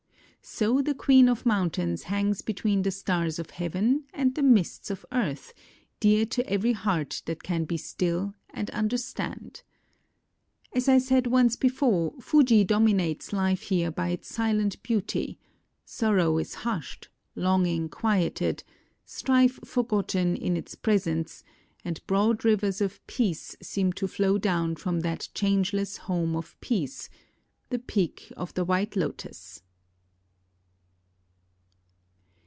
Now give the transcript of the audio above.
"So the queen of mountains hangs between the stars of heaven and the mists of earth, dear to every heart that can be still and understand. As I said once before, Fuji domi nates life here by its silent beauty; sorrow is hushed, longing quieted, strife forgotten in its presence, and broad rivers of peace seem to flow down from that changeless home of peace, the Peak of the White Lotus."